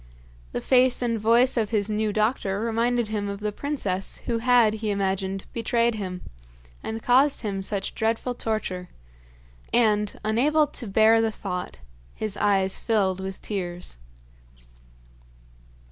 The face and voice of his new doctor reminded him of the princess who had, he imagined, betrayed him, and caused him such dreadful torture; and, unable to bear the thought, his eyes filled with tears.